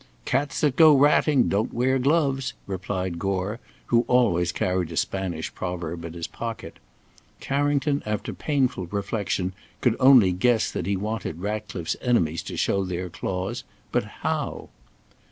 "Cats that go ratting, don't wear gloves," replied Gore, who always carried a Spanish proverb in his pocket. Carrington, after painful reflection, could only guess that he wanted Ratcliffe's enemies to show their claws. But how?